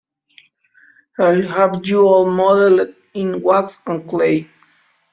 I’ll have you all modelled in wax and clay!